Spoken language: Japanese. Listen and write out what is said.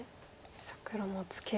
さあ黒もツケで。